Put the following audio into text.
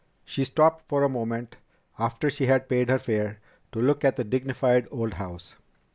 She stopped for a moment, after she had paid her fare, to look at the dignified old house.